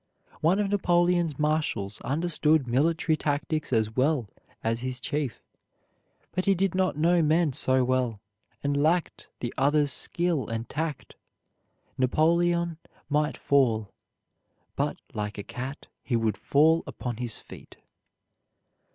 One of Napoleon's marshals understood military tactics as well as his chief, but he did not know men so well, and lacked the other's skill and tact. Napoleon might fall; but, like a cat, he would fall upon his feet.